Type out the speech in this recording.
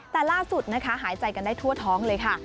แต่ล่าสุดนะคะหายใจกันได้ทั่วท้องเลยค่ะ